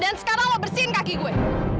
dan sekarang lo bersihin kaki gue